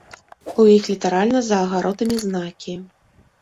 У іх літаральна за агародамі знакі.